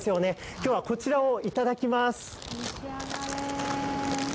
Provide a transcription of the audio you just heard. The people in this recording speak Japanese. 今日はこちらをいただきます。